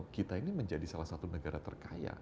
kita ini menjadi salah satu negara terkaya